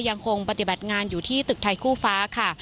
ยังคงปฏิบัติงานอยู่ที่ตึกไทยคู่ฟ้าค่ะ